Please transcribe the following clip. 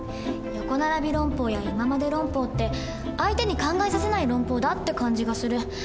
「横ならび論法」や「いままで論法」って相手に考えさせない論法だって感じがする。